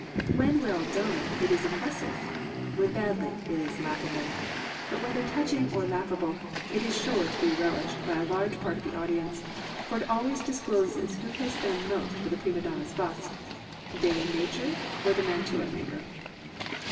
When well done it is impressive; when badly it is laughable; but whether touching or laughable, it is sure to be relished by a large part of the audience, for it always discloses who has done most for the prima donna's bust, dame nature or the mantua maker.